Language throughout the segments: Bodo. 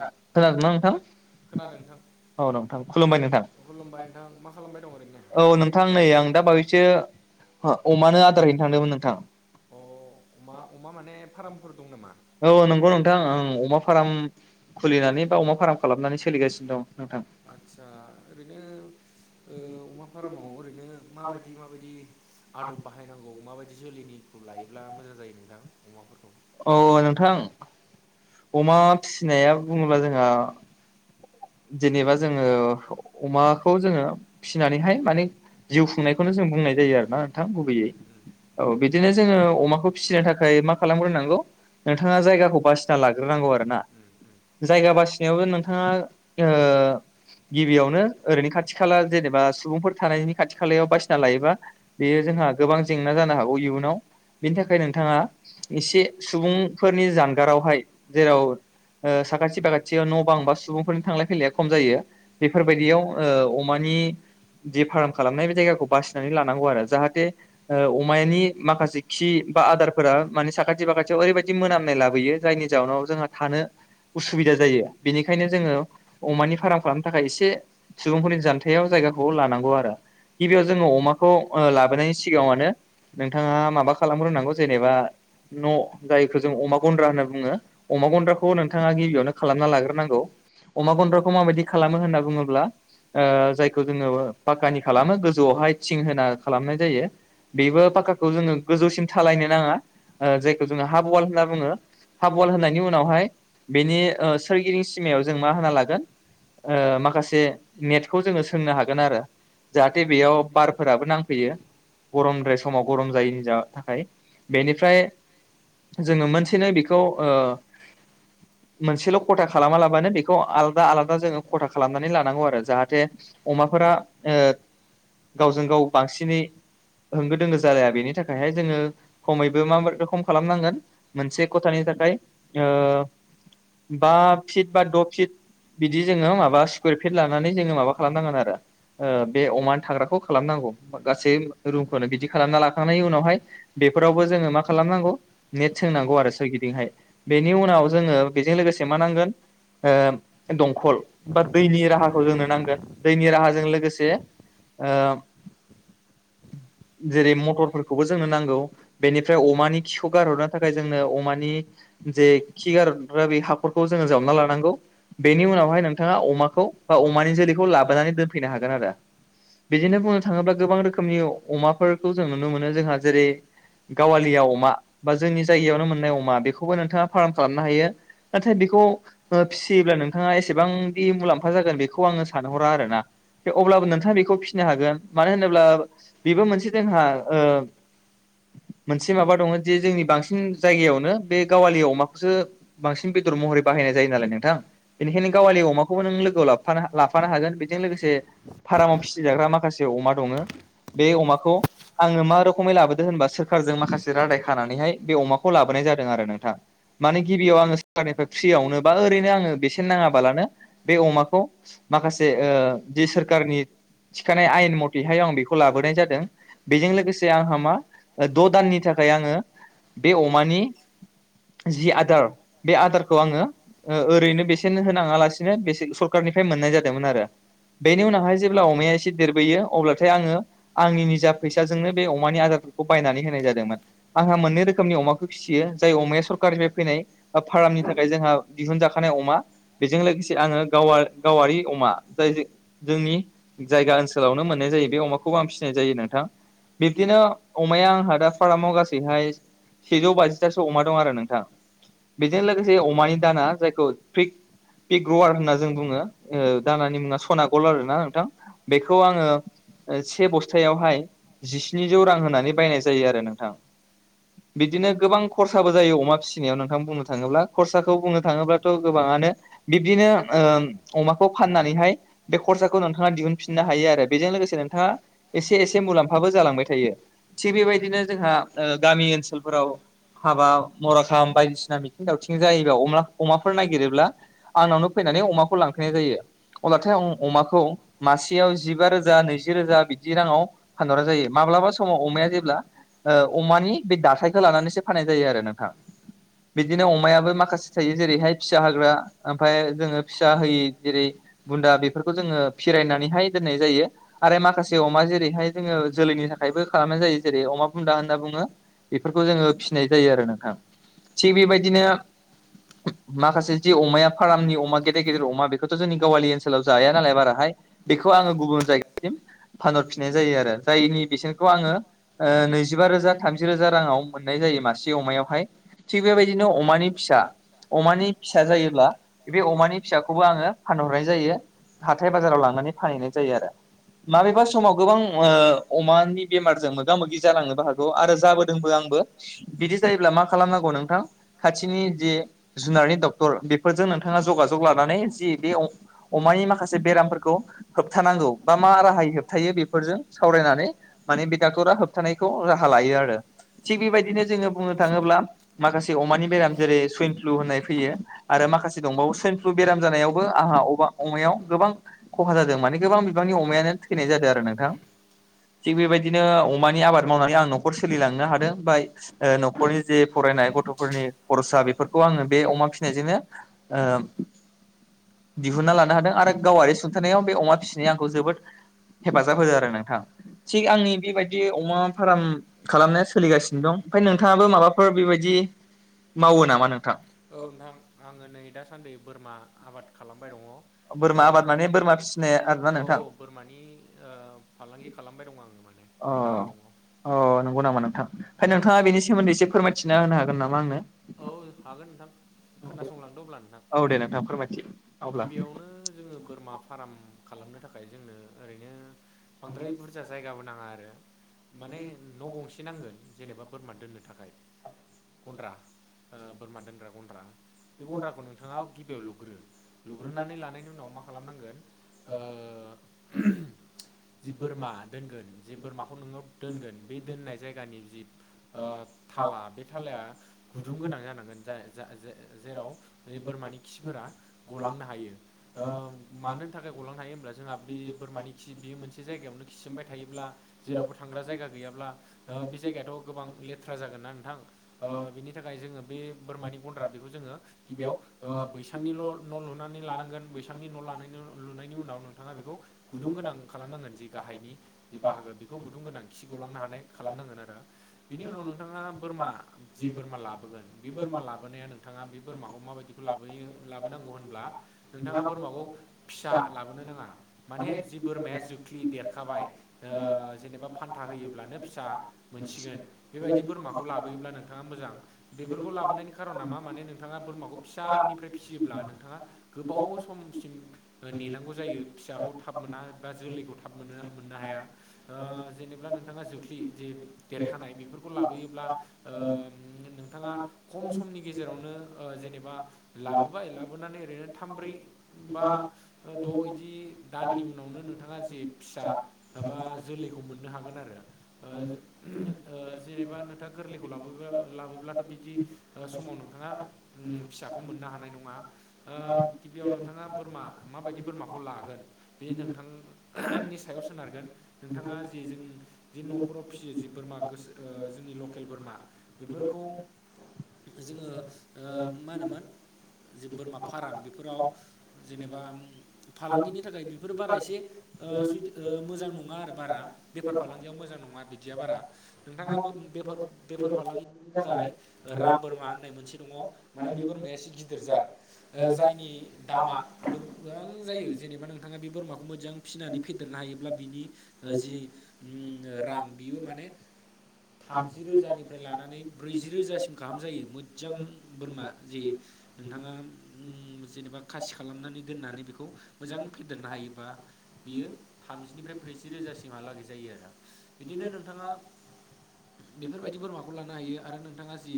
खोनादोंना नोंथां? खोनादों नोंथां। औ नोंथां खुलुमबाय नोंथां। औ नोंथां नै आं दा बावैसो ओ अमानो आदार हैनो थांदोंमोन नोंथां। औ नंगौ नोंथांं आं अमा फार्म खुलिनानै बा अमा फार्म सोलिगासिनो दं। आतसा ओरैनो ओ अमा फार्माव ओरैनो माबायदि माबायदि आदब बाहायनांगौ माबाय जोलैनिखौ लायोब्ला मोजां जायो नोंथां अमाफोरखौ? अ नोंथां अमा फिसिनाया बुङोब्ला जोंहा जेनेबा जोङो अमाखौ जोङो फिसिनानैहाय माने जिउ खुंनायखौनो जों बुंनाय जायो आरोना नोंथां गुबैयै औ बिदिनो जोङो अमाखौ फिसिनो थाखाय मा खालामग्रोनांगौ। नोंथाङा जायगाखौ बासिना लाग्रोनांगौ आरो ना जायगा बासिनायावबो नोंथाङा ओ गिबियावनो ओरैनो खाथि खाला जेनेबा सुबुंफोर थानायनि खाथि खालायाव बासिना लायोबा बेयो जोंहा गोबां जेंना जानो हागौ इयुनाव बिनि थाखाय नोंथाङा एसे सुबुंफोरनि जानगारावहाय जेराव साखाथि बाखाथियाव न बां बा सुबुंफोरनि थांलाय फैलाया खम जायो बेफोरबायदियाव ओ अमानि जे फार्म खालामनाय बे जायगाखौ बासिनानै लानांगौ आरो जाहाथे अमानि माखासे खि बा आदारफोरा माने साखाथि फाखाथियाव ओरैबायदि मोनामनाय लाबोयो जायनि जाउनाव जोंहा थानो उसुबि दा जायो बेनिखायनो जोङो अमानि फार्म खालामनो थाखाय एसे सुबुंफोरनि जानथायाव जायगाखौ लानांगौ आरो। गिबियाव जोङो अमाखौ लाबोनायनि सिगाङावनो नोंथाङा माबा खालामग्रोनांगौ जेनेबा न' जायखो जों अमा गन्द्रा होनना बुङो अमा गन्द्राखौ नोंथाङा गिबियावनो खालामना लाग्रोनांगौ। अमा गन्द्राखौ माबायदि खालामो होनना बुङोब्ला ओ जायखौ जोङो पाक्कानि खालामो गोजौआवहाय थिं होना खालामनाय जायो। बेबो पाक्काखौ जोङो गोजौसिम थालायनो नाङा जायखौ जोङो हाफ वाल होनना बुङो। हाब वाल होनायनि उनावहाय बेनि ओ सोरगिदिं सिमायाव जों मा होना लागोन ओ माखासे नेटखौ जोङो सोंनो हागोन आरो। जाहाथे बेयाव बारफोराबो नांफैयो। गरमद्राय समाव गरम जायिनि जा थाखाय बेनिफ्राय जोङो मोनसेनो बेखौ ओ मोनसेल' खथा खालामालाबानो बे खौ आलादा आलादा जोङो खथा खालामनानै लानांगौ आरो जाहाथे अमाफोरा ओ गावजों गाव बांसिनै होंगो दोंगो जालाया बेनि थाखायहाय जोङो खमैबो मा रखम खालामनांगोन मोनसे खथानि थाखाय ओ बा फिट बा द फिट बिदि जोङो माबा स्कुवेर फिट लानानै जोङो माबा खालामनांगोन आरो ओ बे अमा थाग्राखौ खालामनांगौ। गासै रुमखोनो बिदि खालामना लाखांनायनि उनावहाय बेफोरावबो जोङो मा खालामनांगौ नेट सोंनांगौ आरो सोरगिदिंहाय बेनि उनाव जोङो बेजों लोगोसे मा नांगोन ओ दंखल बा दैनि राहाखौ जोंनो नांगोन दैनि राहाजों लोगोसे ओ जेरै मथरफोरखौबो जोंनो नांगौ। बेनिफ्राय अमानि खिखौ गारहरनो थाखाय जोंनो अ अमानि जे खिगारग्रा बे हाखरखौ जोङो जावना लानां गौ बेनि उनावहाय नोंथाङा अमाखौ बा अमानि जोलैखौ लाबोनानै दोनफैनो हागोन आरो। बिदिनो बुंनो थाङोब्ला गोबां रोखोमनि अमाफोरखौ जों नुनो मोनो जोंहा जेरै गावालिया अमा बा जोंनि जायगायावनो मोननाय अमा बेखौबो नोंथाङा फार्म खालामनो हायो नाथाय बे बेखौ ओ फिसियोब्ला नोंथाङा एसेबांदि मुलाम्फा जागोन बेखौ आङो सानहरा आरोना। अब्लाबो नोंथाङा बेखौ फिसिनो हागोन मानो होनोब्ला बेबो मोनसे जोंहा ओ [unintelligible] मोनसे माबा दङ जे जोंनि बांसिन जायगायावनो बे गावालि अमाखौसो बांसिन बेदर महरै बाहायनाय जायो नालाय नोंथां बेनिखायनो गावालि अमाखौबो नों लोगोआव लाबफानो लाफानो हागोन बेजों लोगोसे फाराम फिसिजाग्रा माखासे अमा दङो बे अमाखौ आङो मा रोखोमै लाबोदों होनबा सोरखारजों माखास माखासे रादाय खानानैहाय बे अमाखौ लाबोनाय जादों आरो नोंथां माने गिबियाव आङो सोरखारनिफ्राय फ्रियावनो बा ओरैनो आङो बेसेन नाङाबालानो बे अमाखौ माखासे ओ जि सोरकारनि थिखानाय आयेन मथे हाय आं बेखौ लाबोनाय जादों बेजों लोगोसे आंहा मा द' दाननि थाखाय थाखाय आङो बे अमानि जि आदार बे आदारखौ आङो ओ ओरैनो बेसेन होनाङा लासिनो बेसे सरखारनिफ्राय मोननाय जादोंमोन आरो। बेनि उनावहाय जेब्ला अमाया एसे देरबोयो अब्लाथाय आङो आंनि निजा फैसाजोंनो बे अमानि आदार खौ बायनानै होनाय जादों आंहा मोनै रोखोमनि अमाखौ फिसियो जाय अमाया सरकारनिफ्राय फैनाय ओ फार्मनि थाखाय जोंहा दिहुनजाखानाय अमा बेजों लोगोसे आङो गावा गावारि अमा जाय जोंनि जायगा ओनसोलावनो मोननाय जायो बे अमाखौबो आं फिसिनाय जायो नोंथां। बिबदिनो अमाया आंहा दा फार्माव गासैहाय सेजौ बाजिथासो अमा दं आरो नोंथां बेजों लोगोसे अमानि दाना जायखौ प्रिक पिक रवार होनना जों बुङो ओ दानानि मुङा सना गल आरो ना नोंथां बेखौ आङो ओ से बस्थायावहाय जिस्निजौ रां होनानै बायनाय जायो आरो नोंथां। बिदिनो गोबां खरसाबो जायो अमा फिसिनायाव नोंथां बुंनो थाङोब्ला खरसा खौ बुंनो थाङोब्लाथ' गोबाङानो बिबदिनो ओ अमाखौ फाननानैहाय बे खरसाखौ नों नोंथाङा दिहुनफिननो हायो आरो बेजों लोगोसे नोंथाङा एसे एसे मुलाम्फाबो जालांबाय थायो थि बेबायदि बिदिनो जोंहा ओ गामि ओनसोलफोराव हाबा मराखाम बायदिसिना मिथिं दावथिं जायो। बेयाव अमलाख अमाफोर नायगिरोब्ला आंनावनो फैनानै अमाखौ लांफैनाय जायो। अब्लाथाय अं अमाखौ मासेयाव जिबा रोज रोजा नैजि रोजा बिदि राङाव फानहरा जायो माब्लाबा समाव अमाया जेब्ला ओ अमानि बे दाथायखो लानानैसो फाननाय जायो आरो नोंथां बिदिनो अमायाबो माखासे थायो जेरैहाय फिसा होग्रा ओमफाय जोङो फिसा होयि जेरै बुन्दा बेफोरखौ जोङो फिरायनानैहाय दोननाय जायो आरो माखासे अमा जेरैहाय जोङो जोलैनि थाखायबो खालामनाय जायो जेरै अमा मा बुन्दा होनना बुङो बेफोरखौ जोङो फिनाय जायो आरो नोंथां थिग बेबायदिनो [unintelligible] माखासे जि अमाया फार्मनि अमा गेदेर गेदेर अमा बेखोथ' जोंनि गावालि ओनसोलाव जाया नालाय बाराहाय बे बेखौ आङो गुबुन जायगासिम फानहर फिननाय जायो आरो जायनि बेसेनखौ आङो ओ नैजिबा रोजा रोजा थामजि रोजा राङाव मोननाय जायो मासे अमायावहाय थिख बेबायदिनो अमानि फिसा अमानि फिसा जायोब्ला बे अमानि फिसाखौबो आङो फानहरनाय जायो। हाथाय बाजाराव लांनानै फानहैनाय जायो आरो माबेबा समाव गोबां ओ अमानि बेमारजों मोगा मोगि जांनोबो हागौ आरो जोबोदोंबो आंबो बिदि जायोब्ला मा खालामनांगौ नोंथां खा थिनि जे जुनारनि डक्टर बेफोरजों नोंथाङा जगा जग लानानै जि बे अ अमानि माखासे माखासे बेरामफोरखौ होबथानांगौ बा मा राहायै होबथायो बेफोरजों सावरायनानै माने बे होबथानायखौ राहा लायो आरो थि बेबायदिनो जोंङो बुंनो थाङोब्ला माखासे अमानि बेराम जेरै सुयेनभ्लु होनाय फैयो आरो माखासे दंबावो सुयेनभ्लु बेराम जानायावबो आंहा [unintelligible] अमाया गोबां खहा जादों माने गोबां बिबांनि अमायानो थैनाय जादों आरो नोंथां। थिग बेबायदिनो अमानि आबाद मावनानै आं न'खर सोलिलांनो हादों फ्राय ओ न'खरनि जे फराय फायनाय गथ'फोरनि खर'सा बेफोरखौ ओ आंङो बे अमा फिसिनायजोंनो ओ दिहुनना लानो हादों आरो गावारि सुंथानायाव बे अमा फिसिनाया आंखौ जोबोद हेफाजाब होदो आरो नोंथां। थिग आंनि बेबायदि अमा फार्म खालामनाया सोलिगासिनो दं। ओमफाय नोंथाङाबो माबाफोर बेबायदि [unintelligible] औ नोंथां आंङो नै दासान्दि बोरमा आबाद खालाम बोरमा आबाद माने बोरमा फिसि औ औ बोरमानि ओ फालांगि खालामबाय दं आंङो माने फाराम दंङ' गौ नामा नोंथां ओमफाय नोंथाङा बेनि सोमोन्दै एसे फोरमायथिना होनो हागोन नामा आंनो औ हागोन नोंथां खोनासंलांदो अब्ला नोंथां गिबियावनो जोंङो बोरमा फार्म खालामनो थाखाय जोंनो ओरैनो बांद्राय बुरजा जायगाबो नाङा आरो माने न' गंसे नांगोन जेनेबा बोरमा दोननो थाखाय गन्द्रा ओ बोरमा दोनग्रा गन्द्रा बे गन्द्राखौ नोंथाङा गिबियाव लुग्रो लुग्रोनानै लानायनि उनाव मा खालामनांगोन अ [unintelligible] जि बोरमा दोनगोन जि बोरमाखौ नोंङो दोनगोन बे दोननाय जायगानि जि ओ थाला बे थालाया गुदुं गोनां जानांगोन जाय जा जे-जेराव बे बोरमानि खिफोरा गलांनो हायो ओ मानो थाखाय गलांनो हायो होनब्ला जोंहा बे बोरमानि खि बेयो मोनसे जायगायावनो खिसोमबाय थायोब्ला जेरावबो थांग्रा जायगा गैया ब्ला ओ बि जायगायाथ' गोबां लेथ्रा जागोन ना नोंथां ओ बिनि थाखाय जोंङो बे बोरमानि गन्द्रा बेखौ जोंङो गिबियाव बैसांनिल' न' लुनानै लानांगोन बैसांनि न' लानायनि लुनायनि उनाव नोंथाङा बेखौ गुदुं गोनां खालामनांगोन जि गाहायनि जि बाहागो बेखौ गुदुं गोनां खि गलांनो हानाय खालामनांगोन आरो बेनि उनाव नोंथाङा बोरमा जि बोरमा लाबोगोन बे बोरमा लाबोनाया नोंथांङा बे बोरमाखौ माबायदिखौ लाबोयो लाबोनांगौ होनब्ला नोंथाङा बोरमाखौ फिसा लाबोनो नांङा माने जि बोरमाया जोख्लि देरखाबाय ओ ओ जेनेबा फान्था होयोब्लानो फिसा मोनसिगोन बेबायदि बोरमाखौ लाबोयोब्ला नोंथाङा मोजां बेफोरखौ लाबोनायनि खार'ना मा माने नोंथाङा बोरमाखौ फिसानिफ्राय फिसियोब्ला नोंथाङा गोबाव समसिम नेनांगौ जायो फिसाखौ थाब मोना बा जोलैखौ थाब मोना मोननो हाया ओ जेनेब्ला नोंथाङा जुख्लि जे देरखानाय बेफोरखौ लाबोयोब्ला ओम नोंथाङा खम समनि गेजेरावनो ओ जेनेबा लाबोबाय लाबोनानै ओरैनो थाम ब्रै बा द' इदि दाननि उनावनो नोंथाङा जि फिसा माबा जोलैखौ मोननो हागोन आरो ओ [unintelligible] ओ जेनेबा नोंथाङा गोरलैखौ लाबोबा लाबो ब्लाथ' बिदि ओ समाव नोंथाङा उम फिसाखौ मोननो हानाय नंङा ओ गिबियावनो थाङा बोरमा माबायदि बोरमाखौ लागोन बे नोंथां [unintelligible] नि सायाव सोनारगोन नोंथां [unintelligible] जि जों जि न'फोराव फिसियो जि बोरमा गोस ओ जोंनि लकेल बोरमा बेफोर [unintelligible] जोंङो मा ओ होनोमोन जे बोरमा फाराम बेफोराव जेनेबा फालांगिनि थाखाय बेफोर बारा एसे ओ सुद ओ मोजां नंङा आरो बारा बेफार फालांगियाव मोजां नंङा बिदिया बारा नोंथाङाबो बेफार-बेफार फालांगि फ्राय ओ राम बोरमा होननाय मोनसे दंङ' माने बे बोरमाया एसे गिदिर जाद ओ जायनि दामा गोबां जायो जेनेबा नोंथाङा बे बोरमाखौ मोजां फिसिनानै फेदेरनो हा हायोब्ला बिनि जि उम रां बियो माने थामजि रोजानिफ्राय लानानै ब्रैजि रोजासिम गाहाम जायो मोजां बोरमा जे नोंथाङा उम जि एबा खासि खालामनानै दोननानै बेखौ मोजां फेदेरनो हायो बा बियो थामजिनिफ्राय ब्रैजि जि रोजासिमहालागै जायो आरो बिदिनो नोंथाङा बेफोरबायदि बोरमाखौ लानो हायो आरो नोंथाङा जि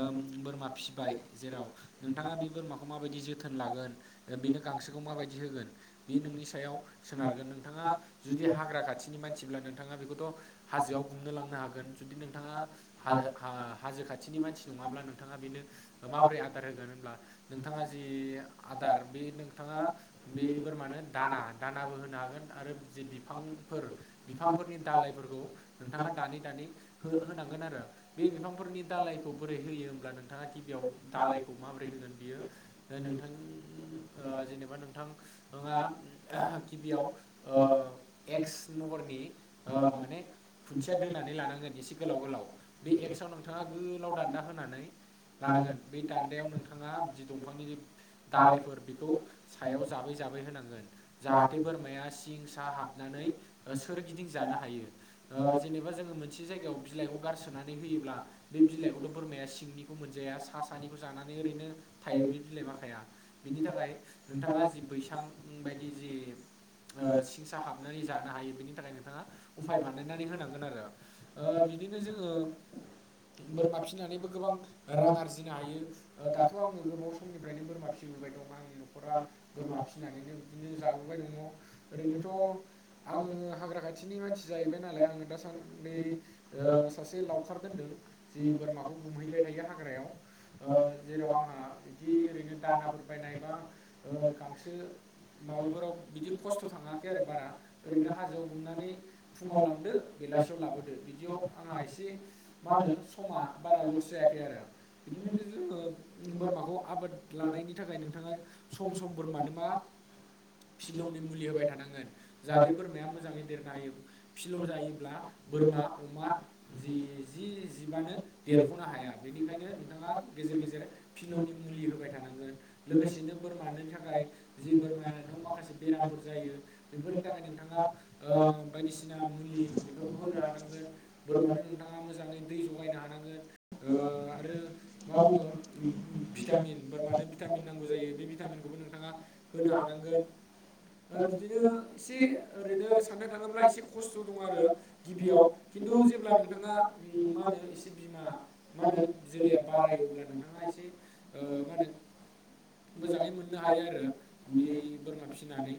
ओम बोरमा फिसिबाय जेराव नोंथाङा बे बोरमाखौ माबायदि जोथोन लागोन गोन ओ बेनो गांसोखौ माबायदि होगोन बे नोंनि सायाव सोनारगोन नोंथाङा जुदि हाग्रा [unintelligible] खाथिनि मानसिब्ला नोंथाङा बेखौथ' हाजोआव गुमनो लांनो हागोन जुदि नोंथाङा हागोन हा- हाजो खाथिनि मानसि नङाब्ला नोंथाङा बेनो माबोरै आदार होगोन होनब्ला नोंथाङा जि आदार बे नोंथाङा बे बोरमानो दाना-दानाबो होनो हागोन आरो जि बिफां फोर बिफांफोरनि दालायफोरखौ नोंथाङा दानै दानै हो होनांगोन आरो बे बिफांफोरनि दालायखौ बोरै होयो होमब्ला नोंथाङा गिबियाव दालायखौ माबोरै होगोन बियो ओनो थां ओ जेनेबा नोंथां माबा गिबियाव ओ एक्स महरनि ओ माने खुन्थिया दोनानै लानांगोन एसे गोलाव गोलाव बे एक्सआव नोंथाङा गोलाव दान्दा होनानै लानांगोन बे दान दायाव नोंथाङा जि दंफांनि दालाइफोर बेखौ सायाव जाबै जाबै होनांगोन जा जाहाथे बोरमाया सिं साहा हाबनानै ओ सोरगिदिं जानो हायो ओ जेनेबा जोङो मोन से जायगायाव बिलाइखौ गारसो नानै होयोब्ला बे बिलाइखौथ' बोरमाया सिंनिखौ मोनजाया सा सानिखौ जानानै ओरैनो थायो बे बिलाइमाखाया बिनि थाखाय नोंथाङा जि बैसां बायदि जि ओ सिंसा हाबनानै जानो हायो बेनि थाखाय नोंथाङा उफाय बानायनानै होनांगोन आरो बिदिनो। जोङो। बोरमा फिसिनानैबो गोबां रां आरजिनो हायो ओ दाथ' आङो गोबाव समनिफ्रायनो बोरमा फिस सिबोबाय दं आंनि न'खरा बोरमा फिसिनानैनो बिदिनो जाबोबाय दङ ओरैनोथ'। आङो हाग्रा खाथिनि मानसि जाहैबाय नालाय आङो दासान्दि ओ सासे लावखार दोनदों जि बोरमाखौ गुमहैबाय थायो हाग्रायाव ओ जेराव आंहा इदि ओरैनो दानाफोर बायनाय बा गांसो माबाफोराव बिदि खस्थ' थाङाखै आरो बारा ओरैनो हाजोआव गुमनानै फुङाव लांदो बेलासियाव लाबोदो बिदियाव आंहा एसे मा होनो समा बारा लस जायाखै आरो बिदिनो जोङो बोरमा माखौ आबोद लानायनि थाखाय नोंथाङा सम सम बोरमानो मा? फिलौनि मुलि होबाय थानांगोन। जाहाथे बोरमाया मोजाङै देरनो हायो फिलौ जायोब्ला बोरमा अमा जि जि जिबानो देरख'नो हाया बेनिखायनो नोंथाङा गेजेर गेजेर फिलौनि नि मुलि होबाय थानांगोन लोगोसेनो बोरमानो थाखाय जि बोरमानाव' माखासे बेरामफोर जायो बेफोरनि थाखाय नोंथाङा ओ बायदिसिना मुलि बेफोरखौ होनो हानांगोन। बोरमानो नोंथाङा मोजाङै दै जगायनो हानांगोन ओ आरो मा बुङो। भिटामिन बोरमानो भिटामिन नांगौ जायो बे भिटामिनखौबो नोंथाङा होनो हानांगोन। ओ बिदिनो एसे ओरैनो साननो थाङोब्ला एसे खस्थ' दं आरो गिबियाव खिन्थु जे ब्ला नोंथाङा ओम मा होनो एसे बिमा मा होनो जोलैया बारायो अब्ला नोंथाङा एसे ओ मा होनो मोजाङै मोननो हायो आरो बे बोरमा फिनानै।